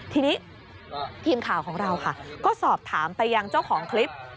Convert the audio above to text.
ทีนี้ทีมข่าวของเราค่ะก็สอบถามไปยังเจ้าของคลิป